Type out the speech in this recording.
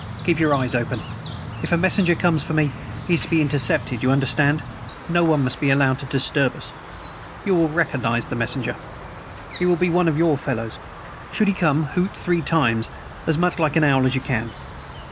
Keep your eyes open. If a messenger comes for me, he is to be intercepted, you understand. No one must be allowed to disturb us. You will recognize the messenger. He will be one of your fellows. Should he come hoot three times, as much like an owl as you can."